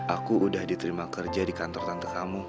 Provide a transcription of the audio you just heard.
aku udah diterima kerja di kantor tante kamu